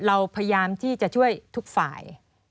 เราพยายามที่จะช่วยทุกฝ่าย